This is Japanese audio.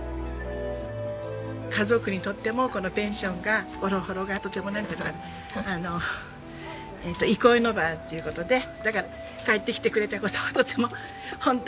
家族にとってもこのペンションほろほろがとてもなんていうのかな憩いの場っていう事でだから帰ってきてくれた事をとても本当に嬉しく思ってます。